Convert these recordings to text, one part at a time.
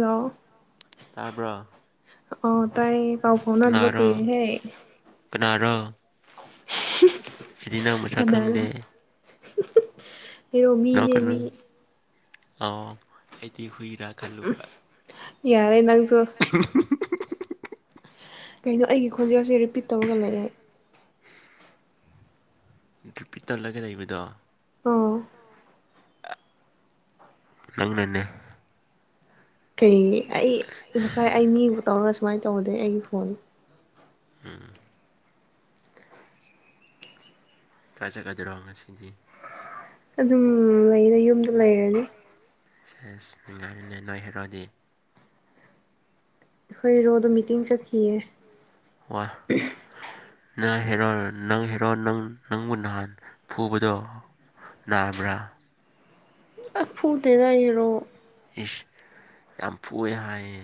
ꯂꯥꯛꯑꯣ ꯇꯥꯕ꯭ꯔꯣ ꯑ ꯇꯥꯏ ꯄꯥꯎ ꯐꯥꯎꯅꯗꯕ ꯀꯨꯏꯔꯦꯍꯦ ꯀꯅꯥꯗꯥꯥ ꯃꯁꯛ ꯀꯅꯂ ꯈꯪꯗꯦ ꯅꫭꯛꯀꯅꯨ ꯑꯩꯗꯤ ꯍꯨꯏꯔꯥ ꯑꯂꯨꯒꯥ ꯌꯥꯔꯦ [inaudible] ꯀꯩꯅꯣ ꯑꯩꯒꯤ ꯈꯣꯟꯖꯦꯜꯁꯦ ꯔꯤꯄꯤꯠ ꯇꯧꯔꯒ ꯂꯩꯔꯦ ꯗ꯭ꯔꯤꯄꯤ ꯇꯧꯔꯒ ꯂꯩꯕꯗꯣ ꯎꯝ ꯅꯪꯅꯅꯦ ꯀꯩ ꯑꯩ ꯉꯁꯥꯏ ꯑꯩ ꯃꯤꯕꯨ ꯇꯧꯔꯒ ꯁꯨꯃꯥꯏꯅ ꯇꯧꯗꯦ ꯑꯩꯒꯤ ꯐꯣꯟ ꯎꯝ ꯀ꯭ꯂꯥꯁ ꯆꯠꯀꯗꯣꯏꯔꯣꯉꯁꯤꯗꯤ ꯑꯗꯨꯝ ꯂꯩꯔꯦ ꯌꯨꯝꯗ ꯂꯩꯔꯅꯤ ꯁꯦꯁ ꯅꯨꯡꯉꯥꯏꯔꯤꯅꯦ ꯅꯣꯏ ꯍꯦꯔꯣꯗꯤ ꯑꯩꯈꯣꯏ ꯍꯦꯔꯣꯗꯥ ꯃꯤꯇꯤꯡ ꯆꯠꯈꯤꯌꯦ ꯋꯥ ꯅꯪ ꯍꯦꯔꯣ ꯅꯪ ꯍꯦꯔꯣ ꯅꯪ ꯅꯪꯕꯨ ꯅꯍꯥꯟ ꯐꯨꯕꯗꯣ ꯅꯅꯥꯕ꯭ꯔꯥ ꯐꯨꯗꯦꯗꯥ ꯑꯩ ꯍꯩꯔꯣ ꯏꯁ ꯌꯥꯝ ꯐꯨꯏ ꯍꯥꯏꯌꯦ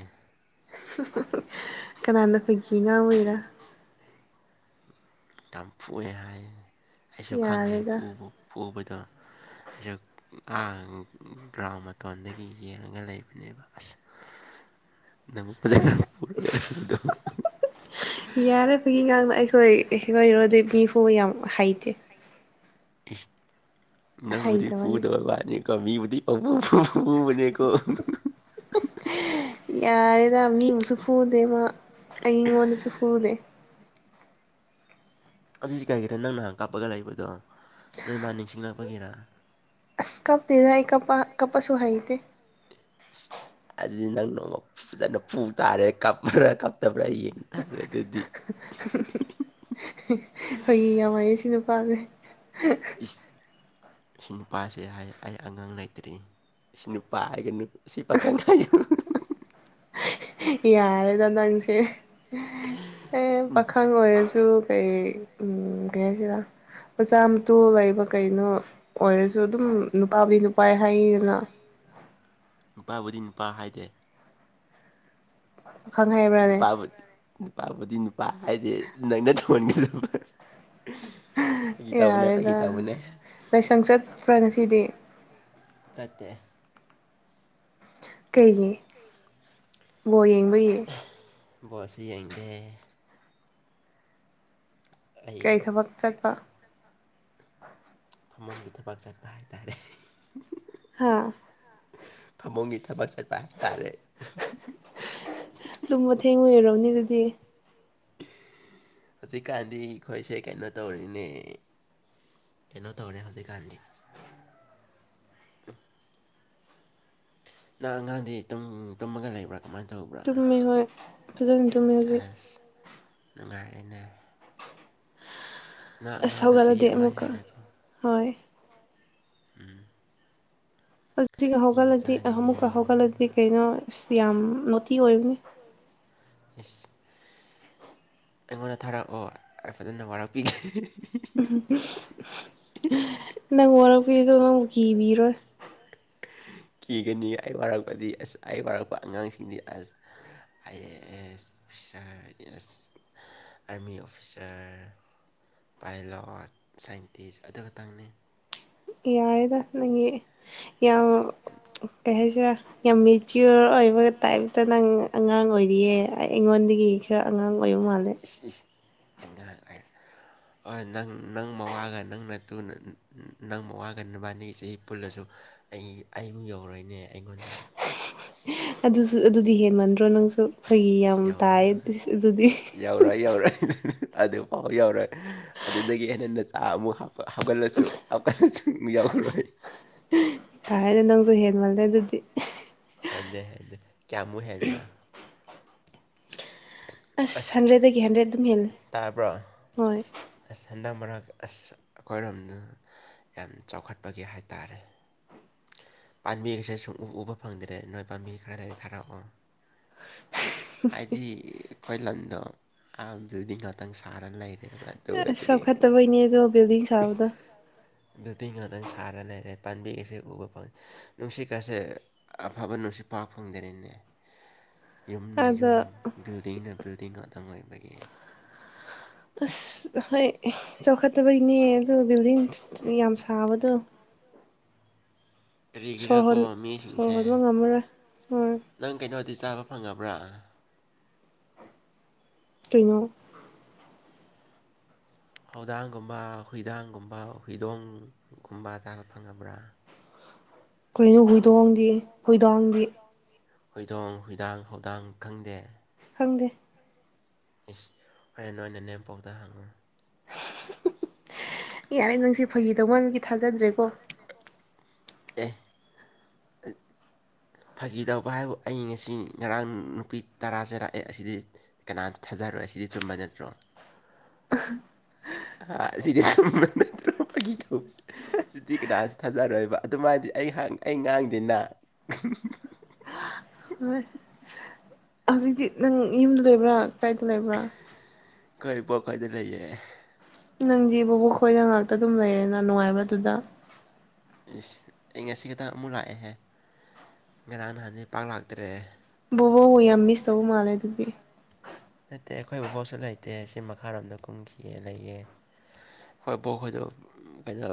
ꯀꯅꯥꯅ ꯑꯩꯈꯣꯏꯒꯤ ꯑꯉꯥꯡ ꯑꯣꯏꯔꯥ ꯌꯥꯝ ꯐꯨꯏ ꯍꯥꯏꯌꯦꯅꯦ ꯑꯩꯁꯨ ꯈꯪꯉꯦ ꯌꯥꯔꯦꯗ ꯐꯨꯕ ꯐꯨꯕꯗꯣ ꯑꯌꯨꯛ ꯒ꯭ꯔꯥꯎꯟ ꯃꯇꯣꯟꯗꯒꯤ ꯌꯦꯡꯉꯒ ꯂꯩꯕꯅꯦꯕ ꯑꯁ ꯅꯪ ꯐꯖꯅ ꯄꯣꯔꯅꯤꯗꯣ ꯌꯥꯔꯤꯕꯒꯤ ꯉꯥꯡꯅ ꯑꯩꯈꯣꯏ ꯑꯣꯏꯔꯨꯔꯗꯤ ꯃꯤꯐꯥꯎꯕ ꯌꯥꯝ ꯍꯩꯇꯦ ꯅꯪꯕꯨꯗꯤ ꯍꯩꯇꯕꯅꯤ ꯄꯨꯗꯕ ꯋꯥꯅꯤ ꯃꯤꯕꯨꯗꯤ ꯄꯪꯐꯨ ꯐꯨꯕꯅꯤꯀꫭ ꯃꯅꯦꯀꯣ ꯌꯥꯔꯦꯗ ꯃꯤ ꯃꯁꯨ ꯐꯨꯗꯦꯕ ꯑꯩꯣꯟꯅꯁꯨ ꯐꯨꯅꯦꯦ ꯑꯗꯨꯏꯗꯤ ꯀꯔꯤꯒꯤꯔꯥ ꯅꯪ ꯅꯍꯥꯟ ꯀꯥꯞꯄꯒ ꯂꯩꯕꯗꯣ ꯅꯣꯏ ꯃꯥ ꯅꯤꯡꯁꯤꯡꯂꯛꯄꯒꯤꯔꯥ ꯑꯁ ꯀꯞ ꯖꯏ ꯀꯄꯥ ꯀꯄꯥꯁꯨ ꯍꯥꯏ ꯏꯗꯦ [inaudible] ꯑꯗꯨꯗꯤ ꯅꯪ ꯅꯣꯡꯃ ꯐꯖꯅ ꯄꯨ ꯇꯥꯔꯦ ꯀꯞꯄ꯭ꯔꯥ ꯀꯞꯇꯕ꯭ꯔꯥ ꯌꯦꯡ ꯇꯥꯈ꯭ꯔꯦ ꯑꯗꯨꯗꯤ [inaudible] ꯍꯌꯦꯡ ꯌꯥꯝ ꯋꯥꯥꯏꯑꯌꯦ ꯁꯤ ꯅꯨꯄꯥꯁꯦ ꯏꯁ ꯁꯤ ꯅꯨꯄꯥꯁꯦ ꯍꯥꯏ ꯑꯩ ꯑꯉꯥꯡ ꯂꯩꯇ꯭ꯔꯤ ꯁꯤ ꯅꯨꯄꯥ ꯍꯥꯏꯒ ꯁꯤ ꯄꯥꯈꯪ ꯍꯥꯏ ꯌꯥꯔꯦꯗ ꯅꯪꯁꯦ ꯑꯦ ꯎꯝ ꯄꯥꯈꯪ ꯑꯣꯏꯔꯁꯨ ꯀꯩ ꯀꯩ ꯍꯥꯏꯁꯤꯔ ꯑꯣꯖꯥꯝ ꯁꯇꯨꯜ ꯂꯩꯕ ꯀꯩꯅꯣ ꯑꯣꯏꯔꯁꯨ ꯑꯗꯨꯝ ꯅꯨꯄꯥꯕꯨꯗꯤ ꯅꯨꯄꯥ ꯍꯥꯏꯗꯅ ꯅꯨꯄꯥꯕꯨꯗꯤ ꯅꯨꯄꯥ ꯍꯥꯏꯗꯦ ꯈꯪꯉ ꯅꯨꯄꯥꯕꯨꯗꯤ ꯅꯨꯄꯥꯕꯨꯗꯤ ꯅꯨꯄꯥ ꯍꯥꯏꯗꯤ ꯅꯪꯅ ꯇꯧꯍꯟꯒꯗꯕ ꯌꯥꯔꯦꯗ ꯇꯧꯕꯅꯦ ꯂꯥꯏꯁꯪ ꯆꯠꯄ꯭ꯔꯥ ꯉꯁꯤꯗꯤ ꯆꯇꯦ ꯀꯩꯒꯤ ꯕꯣꯜ ꯌꯦꯡꯕꯩ ꯕꯣꯁ ꯌꯦꯡꯗꯦ [inaudible] ꯀꯔꯤ ꯊꯕꯛ ꯆꯠꯄ ꯐꯃꯨꯡꯒꯤ ꯊꯕꯥꯛ ꯆꯠꯄ ꯍꯥꯏꯇꯥꯔꯦ ꯍꯥꯥ ꯐꯃꯨꯡꯒꯤ ꯊꯕ ꯆꯠꯄ ꯍꯥꯏ ꯇꯥꯔꯦ ꯑꯗꯨꯝ ꯃꯇꯊꯦꯡ ꯑꯣꯏꯔꯕꯅꯤ ꯑꯗꯨꯗꯤ ꯍꯧꯖꯤꯛꯀꯥꯟꯗꯤ ꯑꯩꯈꯣꯏꯁꯦ ꯀꯩꯅꯣ ꯇꯧꯔꯤꯅꯦ ꯀꯩꯅꯣ ꯇꯧꯔꯦ ꯍꯧꯖꯤꯛ ꯀꯥꯥꯟꯅꯤ ꯅꯪ ꯑꯉꯥꯡꯗꯤ ꯇꯨꯝ ꯇꯨꯝꯃꯒ ꯂꯩꯕ꯭ꯔꯥ ꯀꯃꯥꯏꯅ ꯇꯧꯕ꯭ꯔꯥ ꯇꯨꯝꯃꯦ ꯍꯣꯏ ꯐꯖꯅ ꯇꯨꯝꯃꯦ ꯍꯧꯖꯤꯛ ꯅꯨꯉꯥꯏꯔꯦꯅꯦ ꯅꯪ ꯑꯁ ꯑꯩꯉꯣꯟꯗ ꯆꯍꯤ ꯍꯧꯒꯠꯂꯗꯤ ꯑꯃ ꯑꯃꯨꯛꯀ ꯍꯦꯜꯂꯦꯀꯣ ꯍꯣꯏ ꯎꯝ ꯍꯧꯒ ꯃꯤ ꯍꯧꯒꯠꯂꯗꯤ ꯃꯆꯥꯗꯤ ꯑꯃꯨꯛꯀ ꯍꯧꯒꯠꯂꯗꯤ ꯀꯩꯅꯣꯁ ꯌꯥꯝ ꯣꯇꯤ ꯑꯣꯏꯕꯅꯤ ꯏꯁ ꯑꯩꯉꯣꯟꯗ ꯊꯥꯔꯛꯑꯣ ꯐꯖꯅ ꯋꯥꯔꯛꯄꯤꯒꯦ ꯅꯪ ꯋꯥꯔꯛꯄꯤꯔꯤꯗꯣ ꯅꯪꯕꯨ ꯀꯤꯕꯤꯔꯣꯏ ꯀꯤꯒꯅꯤ ꯑꯩ ꯋꯥꯔꯛꯄꯗꯤ ꯑꯁ ꯑꯩ ꯋꯥꯔꯛꯄ ꯑꯉꯥꯡꯁꯤꯡꯗꯤ ꯑꯁ ꯑꯥꯏ ꯑꯦ ꯑꯦꯁ ꯑꯣꯐꯤꯁꯥꯔ ꯑꯩꯗꯤ ꯑꯁ ꯑꯥꯔꯃꯤ ꯑꯣꯐꯤꯁꯔ ꯄꯥꯏꯂꯠ ꯁꯥꯏꯟꯇꯤꯁ ꯑꯗꯨ ꯈꯇꯪꯅꯤ ꯌꯥꯔꯦꯗ ꯅꯪꯒꯤ ꯌꯥꯝ ꯀꯩ ꯍꯥꯏꯁꯤꯔꯥ ꯌꯥꯝ ꯃꯦꯆꯤꯌꯣꯔ ꯑꯣꯏꯕ ꯇꯥꯏꯞꯇ ꯅꯪ ꯑꯉꯥꯡ ꯑꯣꯏꯔꯤꯌꯦ ꯑꯩ ꯑꯩꯉꯣꯟꯗꯒꯤ ꯈꯔ ꯑꯉꯥꯡ ꯑꯣꯏꯕ ꯃꯥꯜꯂꯦ ꯑꯦ ꯑꯩꯅꯥꯡꯦ ꯍꯣꯏ ꯅꯪ ꯅꯪ ꯃꯋꯥꯒꯥ ꯅꯪ ꯃꯇꯨꯅ ꯅꯪ ꯃꯋꯥꯒ ꯅꯕꯥꯅꯤ ꯆꯍꯤ ꯄꯨꯜꯂꯁꯨ ꯑꯩ ꯑꯩꯕꯨ ꯌꯧꯔꯣꯏꯅꯦ ꯑꯩꯉꯣꯟꯗ ꯑꯗꯨꯁꯨ ꯑꯗꯨꯗꯤ ꯍꯦꯟꯃꯟꯗ꯭ꯔꯣ ꯅꯪꯁꯨ ꯐꯩꯒꯤ ꯌꯥꯝ ꯇꯥꯏ ꯑꯗꯨꯗꯤ ꯌꯧꯔꯛꯑ ꯌꯧꯔꯛꯏ ꯑꯗꯨꯐꯥꯎ ꯌꯧꯔꯣꯏ ꯑꯗꯨꯗꯒꯤ ꯍꯦꯟꯅ ꯅꯆꯥ ꯑꯃꯨꯛ ꯍꯥꯞꯀꯠ ꯍꯞꯀꯠꯂꯁꯨ ꯍꯥꯞꯀꯠꯂꯁꯨ ꯑꯃꯨꯛ ꯌꯥꯎꯔꯣꯏ ꯍꯥꯏꯔꯗꯤ ꯅꯪꯁꯨ ꯍꯦꯟꯃꯜꯂꯦ ꯑꯗꯨꯗꯤ ꯍꯦꯟꯗꯦ ꯍꯦꯟꯗꯦ ꯀꯌꯥꯃꯨꯛ ꯍꯦꯟꯕ꯭ꯔꯥ ꯑꯁ ꯍꯟꯗ꯭ꯔꯦꯗꯒꯤ ꯍꯟꯗ꯭ꯔꯦꯗ ꯑꯗꯨꯝ ꯍꯦꯜꯂꯦ ꯇꯥꯕ꯭ꯔꯣ ꯍꯣꯏ ꯑꯁ ꯍꯟꯗꯛ ꯃꯔꯛ ꯑꯁ ꯑꯩꯈꯣꯏꯔꯣꯝꯗ ꯌꯥꯝ ꯆꯥꯎꯈꯠꯄꯒꯤ ꯍꯥꯏꯇꯥꯔꯦ ꯄꯥꯝꯕꯤꯒꯁꯦ ꯁꯨꯡꯎ ꯎꯕ ꯐꯪꯗ꯭ꯔꯦ ꯅꯣꯏ ꯄꯥꯝꯕꯤ ꯈꯔ ꯂꯩꯔꯗꯤ ꯊꯥꯔꯛꯑꯣ ꯍꯥꯏꯗꯤ ꯑꯩꯈꯣꯏ ꯂꯝꯗꯣ ꯑꯗꯨꯗꯤ ꯉꯥꯛꯇꯪ ꯁꯥꯔꯒ ꯂꯩꯔꯦꯕ ꯑꯁ ꯑꯣꯏꯕꯒꯤ ꯆꯥꯎꯈꯠꯇꯕꯩꯅꯦ ꯑꯗꯣ ꯕꯤꯜꯗꯤꯡ ꯁꯥꯕꯗꯣ ꯑꯗꯨꯗꯤꯤꯡ ꯉꯥꯛꯇꯪ ꯁꯥꯔ ꯂꯩꯔꯦ ꯄꯥꯝꯕꯤ ꯑꯁꯤ ꯎꯕ ꯐꯪꯉ ꯅꯨꯡꯁꯤꯠ ꯀꯁꯦ ꯑꯐꯕ ꯅꯨꯡꯁꯤꯠ ꯐꯥꯎ ꯐꯪꯗꯔꯦꯅꯦ ꯌꯨꯝꯅ ꯑꯗꯣ ꯌꯨꯝ ꯕꯤꯜꯗꯤꯡꯅ ꯕꯤꯜꯗꯤꯡ ꯑꯗꯨꯇꯪ ꯑꯣꯏꯕꯒꯤ ꯑꯁ ꯍꯣꯏ ꯆꯥꯎꯈꯠꯇꯕꯩꯅꯦ ꯑꯗ ꯕꯤꯜꯗꯤꯡ ꯌꯥꯝ ꯁꯥꯕꯗꯣ ꯁꯣꯔ ꯀꯔꯤꯒꯤꯔꯀꯣ ꯍꯣꯟ ꯁꯣꯔ ꯃꯤꯁꯤꯡꯁꯦ ꯍꯣꯟꯕ ꯉꯝꯃꯔꯣꯏ ꯎꯝ ꯅꯪ ꯀꯩꯅꯣꯗꯤ ꯆꯥꯕ ꯐꯪꯉꯕ꯭ꯔꯥ ꯀꯩꯅꯣ ꯍꯧꯗꯥꯡꯒꯨꯝꯕ ꯍꯨꯏꯗꯥꯡꯒꯨꯝꯕ ꯍꯨꯏꯗꯣꯡꯒꯨꯝꯕ ꯆꯥꯕꯠ ꯐꯪꯉꯕ꯭ꯔꯥ ꯀꯣꯏꯩꯅꯣ ꯍꯨꯏꯗꯣꯡꯒꯤ ꯍꯨꯏꯗꯣꯡꯒꯤ ꯍꯣꯏꯗꯣꯡ ꯍꯣꯏꯏꯗꯥꯡ ꯍꯧꯗꯥꯡ ꯈꯪꯗꯦ ꯈꯪꯗꯦ ꯏꯁꯁ ꯍꯣꯔꯦꯟ ꯅꯣꯏꯅ ꯅꯦꯝꯄꯣꯛꯇ ꯍꯪꯉꯨ ꯌꯥꯔꯦ ꯅꯪꯁꯦ ꯐꯒꯤ ꯇꯧ ꯃꯅꯕꯒꯤ ꯊꯥꯖꯗ꯭ꯔꯦꯀꯣ ꯑꯦ [inaudible] ꯐꯥꯈꯤꯗꯧꯕ ꯍꯥꯏꯕꯨ ꯑꯩ ꯉꯁꯤ ꯉꯔꯥꯡ ꯅꯨꯄꯤ ꯇꯔꯥ ꯆꯔꯛꯑꯦ ꯑꯁꯤꯗꯤ ꯀꯅꯥꯇ ꯊꯥꯖꯔꯛꯣꯏꯦ ꯁꯤꯗꯤ ꯆꯨꯝꯕ ꯅꯠꯇ꯭ꯔꯣ ꯁꯤꯗꯤ ꯁꯨꯝ ꯅꯪꯅ ꯇꯧꯔꯛꯄꯒꯤ ꯇꯧꯕꯅꯦ ꯁꯨꯇꯤ ꯀꯅꯥꯁꯨ ꯊꯥꯖꯔꯣꯏꯕ ꯑꯗꯨꯃꯥꯏꯗꯤ ꯑꯩ ꯑꯩ ꯉꯥꯡꯗꯅ [inaudible] ꯍꯣꯏ ꯍꯧꯖꯤꯛꯇꯤ ꯅꯪ ꯌꯨꯝꯗ ꯂꯩꯕ꯭ꯔꯥ ꯀꯥꯏꯗ ꯂꯩꯕ꯭ꯔꯥ ꯀꯩ ꯄꯣꯛꯈꯩꯗꯤ ꯂꯩꯌꯦ ꯅꯪ ꯕꯕꯨ ꯑꯩ ꯈꯣꯏꯅ ꯉꯥꯛꯇ ꯑꯗꯨꯝ ꯂꯩꯔꯦꯅ ꯅꯨꯡꯉꯥꯏꯕꯗꯨꯗ ꯏꯁ ꯑꯩ ꯉꯁꯤ ꯈꯇꯪ ꯑꯃꯨꯛ ꯂꯥꯛꯑꯦꯍꯦ ꯉꯔꯥꯡ ꯅꯍꯥꯟꯗꯤ ꯄꯥꯛ ꯂꯥꯛꯇ꯭ꯔꯦ ꯕꯕꯣꯕꯨ ꯌꯥꯝ ꯃꯤꯁ ꯇꯧ ꯃꯥꯜꯂꯦ ꯑꯗꯨꯗꯤ ꯅꯠꯇꯦ ꯑꯩꯈꯣꯏꯕꯨꯐꯥꯎꯁꯨ ꯂꯩꯇꯦ ꯁꯤ ꯃꯈꯥꯔꯣꯝꯗ ꯀꯨꯝꯈꯤꯌꯦ ꯂꯩꯌꯦ ꯍꯣꯏ ꯕꯣꯛ ꯑꯩꯈꯣꯏꯗꯣ ꯀꯩꯅꯣ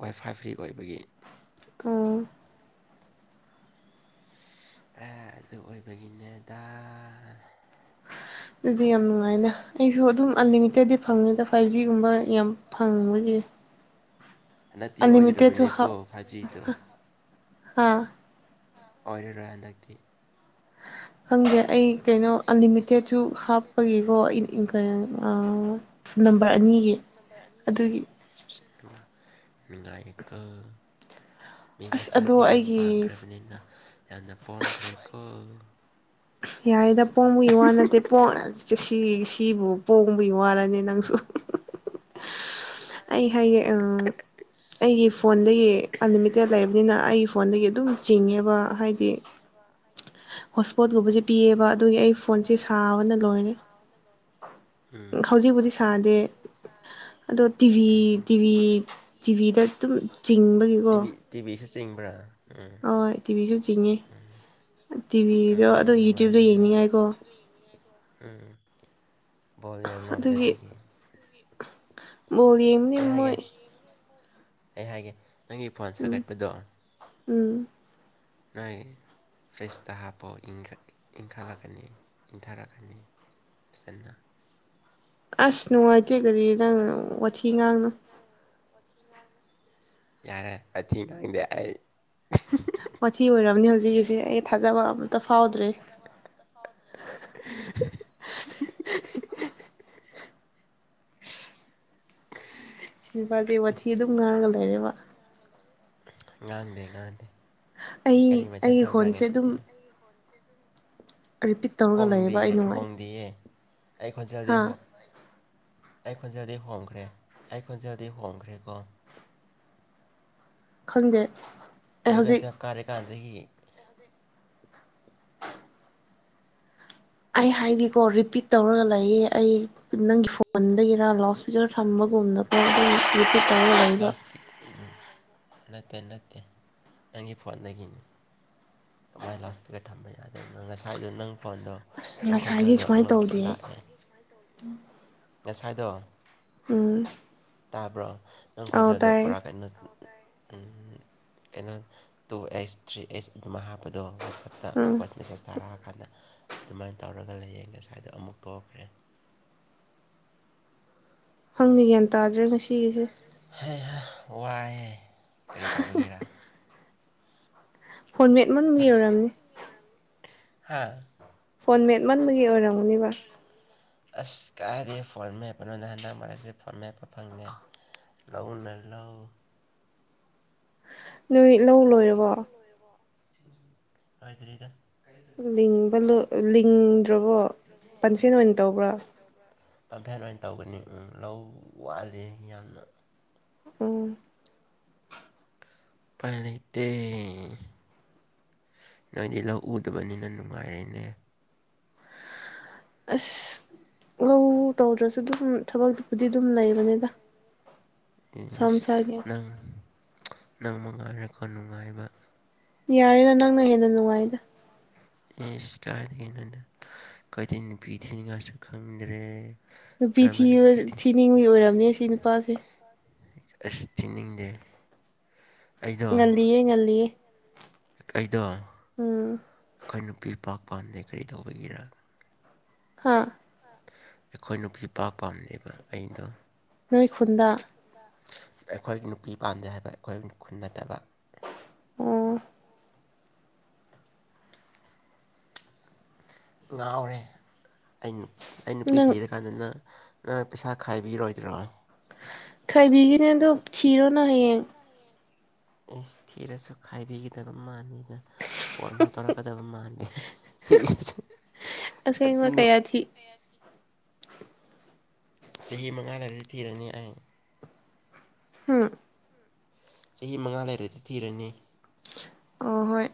ꯋꯥꯏ ꯐꯥꯏ ꯐ꯭ꯔꯤ ꯑꯣꯏꯕꯒꯤ ꯑ ꯑꯗꯨ ꯑꯣꯏꯕꯒꯤꯅꯦꯗ ꯑꯗꯨꯗꯤ ꯌꯥꯝ ꯑꯗꯨꯨꯃꯥꯏꯅ ꯑꯩꯁꯨ ꯑꯗꯨꯝ ꯑꯟꯂꯤꯃꯤꯇꯦꯠꯇꯗꯤ ꯐꯪꯉꯤꯗ ꯐꯥꯏꯚ ꯖꯤꯒꯨꯝꯕ ꯌꯥꯝ ꯐꯪꯕꯒꯤ ꯅꯠꯇꯤ ꯑꯣꯗꯔꯣꯕ ꯑꯟꯂꯤꯃꯤꯇꯦꯠꯁꯨ ꯀꯣ ꯍꯥꯞ ꯐꯥꯖꯤ ꯇ ꯍꯥ ꯑꯣꯏꯔꯔꯣꯏ ꯍꯟꯗꯛꯇꯤ ꯈꯪꯗꯦ ꯑꯩ ꯀꯩꯅꯣ ꯑꯟꯂꯤꯃꯤꯇꯦꯠꯁꯨ ꯍꯥꯞꯄꯒꯤꯀꯣ ꯅꯝꯕꯔ ꯑꯅꯤꯒꯤ ꯑꯗꯨꯒꯤ ꯅꯨꯡꯉꯥꯏꯀꯜ ꯃꯤ ꯑꯁ ꯃꯆꯥꯗꯤ ꯑꯗꯣ ꯌꯨꯝ ꯑꯩꯒꯤ ꯄꯥꯡꯈ꯭ꯔꯕꯅꯤꯅ ꯌꯥꯝꯅ ꯄꯣꯡꯝꯈ꯭ꯔꯦꯀꯣ ꯌꯥꯔꯤꯗ ꯄꯣꯡꯕꯒꯤ ꯋꯥ ꯅꯠꯇꯦ ꯄꯣꯡꯉꯦ ꯁꯤ ꯁꯤꯕꯨ ꯄꯣꯡꯕꯒꯤ ꯋꯥꯔꯅꯤ ꯅꯪꯁꯨ ꯑꯩ ꯍꯥꯏꯌꯦ ꯑ ꯑꯩꯒꯤ ꯐꯣꯟꯗꯒꯤ ꯑꯟꯂꯤꯃꯤꯇꯦꯠ ꯂꯩꯕꯅꯤꯅ ꯑꯩꯒꯤ ꯐꯣꯟꯗꯒꯤ ꯑꯗꯨꯝ ꯆꯤꯡꯉꯦꯕ ꯍꯥꯏꯗꯤ ꯍꯣꯁꯄꯣꯠ ꯨꯕꯖꯤ ꯄꯤ ꯑꯛꯁꯄꯣꯔꯠ ꯂꯨꯕꯁꯨꯗꯤꯑꯦꯕ ꯑꯗꯨꯒꯤ ꯑꯩ ꯐꯣꯟꯁꯦ ꯁꯥꯕꯅ ꯂꯣꯏꯔꯅꯤ ꯎꯝ ꯍꯧꯖꯤꯛꯄꯨꯗꯤ ꯁꯥꯗꯦ ꯍꯧꯖꯤꯛꯄꯨꯗꯤ ꯁꯗꯦ ꯑꯗꯣ ꯇꯤꯚꯤ ꯇꯤꯚꯤ ꯇꯤꯚꯤꯗ ꯑꯗꯨꯝ ꯆꯤꯡꯕꯒꯤꯀꯣ ꯇꯤꯕꯤꯤꯁ ꯆꯤꯡꯕ꯭ꯔꯥ ꯎꯝ ꯍꯣꯏ ꯇꯤꯚꯤꯁꯨ ꯆꯤꯡꯉꯦ ꯎꯝ ꯇꯤꯚꯤꯗꯣ ꯎꯝ ꯑꯗꯨ ꯌꯨꯇ꯭ꯌꯕꯇ ꯅꯨꯡꯉꯥꯏꯔꯦꯅ ꯌꯦꯡꯅꯤꯡꯉꯥꯏꯀꯣ ꯎꯝ ꯕꯣꯜ ꯌꯦꯉꯣ ꯑꯗꯨꯒꯤ ꯑꯗꯨꯗꯒꯤ ꯕꯣꯜ ꯑꯩ ꯌꯦꯡꯕꯅꯤ ꯍꯥꯏꯒꯦ ꯃꯣꯏ ꯑꯩ ꯍꯥꯏꯒꯦ ꯅꯪꯒꯤ ꯐꯣꯟ ꯎꯝ ꯁꯥꯒꯠꯄꯗꯣ ꯎꯝ ꯅꯣꯏ ꯐ꯭ꯔꯤꯁꯇ ꯍꯥꯞꯄꯣ ꯏꯟꯈꯠꯂꯛꯀꯅꯤ ꯏꯟꯊꯔꯛꯀꯅꯤ ꯄꯁꯟꯅ ꯑꯁꯅꯅꯨꯡ ꯑꯖꯦ ꯀꯔꯤ ꯑꯁ ꯅꯪ ꯅꯨꯉꯥꯏꯇꯦ ꯋꯥꯊꯤ ꯉꯥꯡꯅꯨ ꯀꯥꯔꯤꯔ ꯅꯪ ꯌꯥꯔꯦ ꯃꯊꯤ ꯉꯥꯡꯗꯦ ꯑꯩ ꯃꯊꯤ ꯑꯣꯏꯔꯕꯅꯤ ꯍꯧꯖꯤꯛꯀꯤꯁꯦ ꯑꯩ ꯊꯥꯖꯕ ꯑꯝꯇ ꯐꯥꯎꯗ꯭ꯔꯦ ꯏꯕꯥꯅꯤ ꯋꯥꯊꯤ ꯑꯗꯨꯝ ꯉꯥꯡꯉꯥ ꯂꯩꯔꯦꯕ ꯉꯥꯡꯗꯦ ꯉꯥꯡꯗꯦ ꯀꯔꯤ ꯑꯩ ꯃꯊꯜ ꯑꯩꯒꯤ ꯇꯧꯕ꯭ꯔꯥ ꯉ ꯈꯣꯟꯁꯦ ꯁꯤꯗꯤ ꯑꯗꯨꯝ ꯔꯤꯄꯤꯠ ꯇꯧꯔꯒ ꯂꯩꯌꯦꯕ ꯍꯣꯡꯗꯤꯦꯌꯦ ꯑꯩ ꯅꯨꯡꯉꯥꯏ ꯍꯣꯡꯗꯦꯌꯦꯦ ꯑꯩ ꯈꯣꯠꯆꯗꯤ ꯍꯥ ꯍ ꯑꯩ ꯈꯨꯣꯟꯖꯗꯤ ꯍꯣꯡꯈ꯭ꯔꯦ ꯑꯩ ꯈꯨꯣꯟꯖꯗꯤ ꯍꯣꯡꯈ꯭ꯔꯦꯀꯣ ꯈꯪꯗꯦ ꯑꯩ ꯑꯦꯂꯕꯦꯟ ꯍꯧꯖꯤꯛ ꯇꯨꯌꯦꯦꯜꯞ ꯀꯥꯔꯦꯀꯥꯟꯗꯒꯤ ꯑꯩ ꯍꯥꯏꯗꯤꯀꯣ ꯔꯤꯄꯤꯠ ꯇꯧꯔꯒ ꯂꯩꯌꯦ ꯑꯩ ꯅꯪꯒꯤ ꯐꯣꯟꯗꯒꯤꯔꯥ ꯂꯥꯎꯠ ꯏꯁꯄꯤꯀꯔ ꯊꯝꯕꯒꯨꯝꯗ ꯈꯔ ꯑꯗꯨꯝ ꯔꯤꯄꯤꯠ ꯇꯧꯔ ꯂꯩꯕ ꯎꯝ ꯅꯠꯇꯦ ꯅꯠꯇꯦ ꯅꯪꯒꯤ ꯐꯣꯣꯟ ꯂꯩꯗꯒꯤꯅꯦ ꯀꯃꯥꯏꯅ ꯂꯥꯁꯇꯒ ꯊꯝꯕ ꯌꯥꯗꯣꯏꯅꯣ ꯉꯁꯥꯏꯗꯣ ꯅꯪ ꯐꯣꯟꯗꯣ ꯑꯁ ꯅꯪ ꯉꯁꯥꯏꯗꯤ ꯈꯣꯟꯖꯦꯜꯗꯣ ꯁꯨꯃꯥꯏꯅ ꯑꯩꯉꯣꯟꯗꯁꯨ ꯇꯧꯗꯦ ꯂꯥꯛꯑꯦ ꯉꯁꯥꯏꯗꯣ ꯎꯝ ꯇꯥꯕ꯭ꯔꯣ ꯅꯪ ꯑꯥꯎ ꯈꯣꯟꯖꯦꯜꯗ ꯇꯥꯏꯌꯦ ꯄꯨꯔꯥ ꯀꯩꯅꯣ ꯀꯩꯅꯣ ꯇꯨ ꯑꯩꯆ ꯊ꯭ꯔꯤ ꯑꯩꯆ ꯑꯗꯨꯃ ꯍꯥꯞꯄꯗꯣ ꯋꯥꯆꯞꯇ ꯎꯝ ꯃꯦꯁꯦꯁ ꯇꯥꯔꯛꯑꯀꯥꯟꯗ ꯑꯗꯨꯃꯥꯏꯅ ꯇꯧꯔꯒ ꯂꯩꯌꯦ ꯉꯁꯥꯏꯗꯣ ꯑꯃꯨꯛ ꯇꯣꯛꯈ꯭ꯔꯦ ꯍꯪꯅꯤꯒ꯭ꯌꯥꯟ ꯇꯥꯗ꯭ꯔꯦ ꯉꯁꯤꯒꯤꯁꯦ ꯍ ꯍ ꯋꯥꯏꯍꯦ ꯀꯔꯤ ꯇꯧꯕꯒꯤꯔꯥ ꯐꯣꯟꯃꯦꯠ ꯃꯅꯨꯡꯗ ꯌꯔꯔꯕꯅꯤ ꯍꯥꯥ ꯐꯣꯟ ꯃꯦꯠꯃꯟꯕꯒꯤ ꯑꯣꯏꯔꯝꯒꯨꯅꯦꯕ ꯑꯁ ꯀꯥꯏꯗꯩꯩ ꯐꯣꯟ ꯃꯦꯞꯄꯅꯣꯗ ꯍꯟꯗꯛ ꯃꯔꯛꯁꯤ ꯐꯣꯟ ꯃꯦꯠꯄ ꯐꯪꯗꯦ ꯂꯧꯎꯅꯦ ꯂ ꯅꯣꯏ ꯂꯧ ꯂꯣꯏꯔꯕꯣ ꯂꯣꯏꯇ꯭ꯔꯤꯗ ꯂꯕ ꯂꯤꯡꯗ꯭ꯔꯕꯣ ꯄꯟꯐꯦꯟ ꯑꯣꯏꯅ ꯇꯧꯕ꯭ꯔꯥ ꯄꯝꯐꯦꯟ ꯑꯣꯏꯅ ꯇꯧꯒꯅꯤ ꯎ ꯂꯧ ꯋꯥꯠꯂꯤ ꯌꯥꯝꯅ ꯎꯝ ꯄꯅꯠꯇ ꯅꯪꯏꯗꯤ ꯂꯧ ꯎꯗꯕꯅꯤꯅ ꯅꯨꯡꯉꯥꯏꯔꯦꯅꯦ ꯑꯁ ꯂꯧ ꯇꯧꯗ꯭ꯔꯁꯨ ꯑꯗꯨꯝ ꯊꯕꯛꯇꯕꯨꯗꯤ ꯑꯗꯨꯝ ꯂꯩꯕꯅꯤꯗ ꯃꯁꯥ ꯃꯁꯥꯒꯤ ꯅꯪ ꯅꯪ ꯃꯉꯥꯏꯔꯛꯀ ꯅꯨꯡꯉꯥꯏꯕ ꯌꯥꯔꯦꯗ ꯅꯪꯅ ꯍꯦꯟꯅ ꯅꯨꯡꯉꯥꯏꯗ ꯏꯁ ꯀꯥꯏꯗꯒꯤꯅꯣꯗ ꯑꯩꯈꯣꯏꯗꯤ ꯅꯨꯄꯤ ꯊꯤꯅꯤꯡꯉꯥꯏꯁꯨ ꯈꯪꯗ꯭ꯔꯦ ꯅꯨꯄꯤ ꯀꯔꯝꯕ ꯊꯤ ꯅꯨꯄꯤ ꯊꯤ ꯊꯤꯅꯤꯡꯉꯤ ꯑꯣꯏꯔꯝꯅꯦ ꯁꯤ ꯅꯨꯄꯥꯁꯦ ꯑꯁꯤ ꯊꯤꯅꯤꯡꯗꯦ ꯑꯩꯗꯣ ꯉꯜꯂꯤꯌꯦ ꯉꯜꯂꯤꯌꯦ ꯑꯩꯗꯣ ꯎꯝ ꯑꯩꯈꯣꯏ ꯅꯨꯄꯤ ꯄꯥꯛ ꯄꯥꯝꯗꯦ ꯀꯔꯤ ꯇꯧꯕꯒꯤꯔ ꯍꯥꯥ ꯑꯩꯈꯣꯏ ꯅꯨꯄꯤꯄꯥ ꯄꯥꯝꯅꯦꯕ ꯑꯩꯗꯣ ꯅꯣꯏ ꯈꯨꯟꯗ ꯑꯩꯈꯣꯏꯒꯤ ꯅꯨꯄꯤ ꯄꯥꯟꯗꯦ ꯍꯥꯏꯕ ꯑꯩꯈꯣꯏꯒꯤ ꯈꯨꯟ ꯅꯠꯇꯕ ꯑꯣ ꯉꯥꯎꯔꯦ ꯑꯩ ꯑꯩ ꯅꯨꯄꯤ ꯅꯪ ꯊꯤꯔꯦ ꯀꯥꯟꯗꯅ ꯅꯪ ꯄꯩꯁꯥ ꯈꯥꯏꯕꯤꯔꯣꯏꯗꯔꯣ ꯈꯥꯏꯕꯤꯒꯤꯅꯦ ꯑꯗꯨꯣ ꯊꯤꯔꯣ ꯅꯪ ꯍꯌꯦꯡ ꯑꯦꯁ ꯊꯤꯔꯁꯨ ꯈꯥꯏꯕꯤꯒꯗꯕ ꯃꯥꯟꯗꯦꯗ ꯐꯣꯟ ꯐꯥꯎ ꯇꯔꯛꯀꯗꯕ ꯃꯥꯥꯟꯗꯦ [unintelligible] ꯑꯁꯦꯡꯕ ꯀꯌꯥ ꯊꯤ [unintelligible] ꯆꯍꯤ ꯃꯉꯥꯗꯗꯤ ꯊꯤꯔꯅꯤ ꯑꯩ ꯍꯝ ꯆꯍꯤ ꯃꯉꯥ ꯂꯩꯔꯗꯤ ꯊꯤꯔꯅꯤ ꯑꯣ ꯍꯣꯏ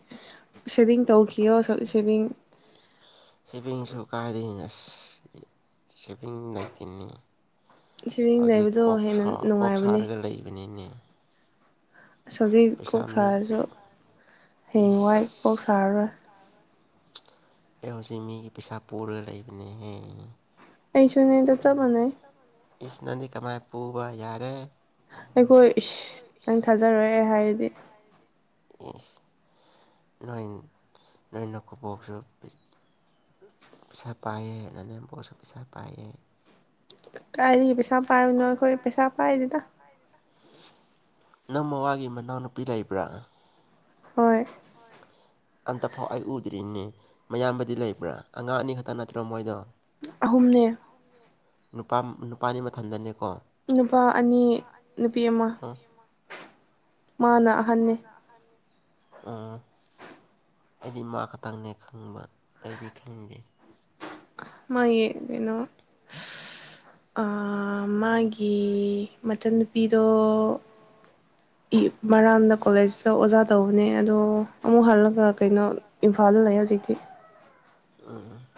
ꯁꯦꯕꯤꯡ ꯁꯦꯕꯤꯡ ꯆꯧꯈꯤꯌꯣ ꯁꯦꯕꯤꯡ ꯁꯤꯕꯤꯡꯁꯨ ꯀꯥꯏꯗꯩꯩ ꯑꯁ ꯁꯤꯕꯤꯡ ꯂꯩꯇꯦꯅꯦ ꯁꯦꯚꯤꯡ ꯍꯧꯖꯤꯛ ꯂꯩꯕꯗꯣ ꯀꯣꯛ ꯍꯦꯟꯅ ꯁꯥ ꯀꯣꯛ ꯅꯨꯡꯉꯥꯏꯕꯅꯦ ꯁꯥꯔꯒ ꯂꯩꯕꯅꯤꯅꯦ ꯍꯧꯖꯤꯛ ꯄꯩꯁꯥ ꯀꯣꯛ ꯃꯤꯒꯤ ꯁꯥꯔꯁꯨ ꯍꯌꯦꯡ ꯋꯥꯏ ꯀꯣꯛ ꯏꯁ ꯁꯥꯔꯔꯣꯏ [unintelligible] ꯑꯩ ꯍꯧꯖꯤꯛ ꯃꯤꯒꯤ ꯄꯩꯁꯥ ꯄꯨꯔꯒ ꯂꯩꯕꯅꯤꯍꯦ ꯑꯩꯩꯁꯨꯅꯤꯗ ꯆꯞ ꯃꯥꯟꯅꯩ ꯏꯁ ꯅꯪꯗꯤ ꯀꯃꯥꯏꯅ ꯄꯨꯕ ꯌꯥꯔꯦ ꯑꯩꯈꯣꯏ ꯏꯁ ꯅꯪ ꯊꯥꯖꯔꯣꯏ ꯑꯩ ꯍꯥꯏꯔꯗꯤ ꯏꯁ ꯅꯣꯏ ꯅꯣꯏ ꯅꯀꯨꯕꯣꯛꯁꯨ ꯄꯩꯁꯥ ꯄꯥꯏꯌꯦ ꯅꯅꯦꯝꯕꯣꯛꯁꯨ ꯄꯩꯁꯥ ꯄꯥꯏꯌꯦ ꯀꯥꯏꯗꯩꯩ ꯄꯩꯁꯥ ꯄꯥꯏꯕꯅꯣ ꯑꯩꯈꯣꯏ ꯄꯩꯁꯥ ꯄꯥꯏꯗꯦꯗ ꯅꯪ ꯃꯋꯥꯒꯤ ꯃꯅꯥꯎꯅꯨꯄꯤ ꯂꯩꯕ꯭ꯔꯥ ꯍꯣꯏ ꯑꯝꯇꯐꯥꯎ ꯑꯩ ꯎꯗ꯭ꯔꯤꯅꯤ ꯃꯌꯥꯝꯕꯗꯤ ꯂꯩꯕ꯭ꯔꯥ ꯑꯉꯥꯡ ꯑꯅꯤ ꯈꯛꯇ ꯅꯠꯇ꯭ꯔꯣ ꯃꯣꯏꯗꯣ ꯑꯍꯨꯝꯅꯦ ꯅꯨꯄꯥ ꯅꯨꯄꯥꯗꯤ ꯃꯊꯟꯗꯅꯦꯀꯣ ꯅꯨꯄꯥ ꯑꯅꯤ ꯅꯨꯄꯤ ꯑꯃ ꯑꯣ ꯃꯥꯅ ꯑꯍꯟꯅꯦ [unintelligible] ꯑꯩꯗꯤ ꯃꯥ ꯈꯛꯇꯪꯅꯦ ꯈꯪꯕ ꯑꯇꯩꯗꯤ ꯈꯪꯗꯦ ꯃꯥꯒꯤ ꯀꯩꯅꯣ ꯑꯥ ꯃꯥꯒꯤ ꯃꯆꯟꯅꯨꯄꯤꯗꯣ ꯢ ꯃꯔꯥꯝꯗ ꯀꯣꯂꯦꯖꯇ ꯑꯣꯖꯥ ꯇꯧꯕꯅꯦ ꯑꯗꯣ ꯑꯃꯨꯛ ꯍꯜꯂꯒ ꯀꯩꯅꯣ ꯏꯝꯐꯥꯜꯗ ꯂꯩ ꯍꯧꯖꯤꯛꯇꯤ [unintelligible]